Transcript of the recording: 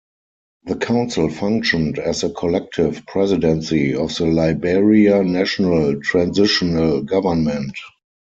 The council functioned as a collective presidency of the Liberia National Transitional Government.